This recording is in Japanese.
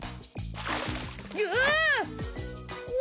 うわ！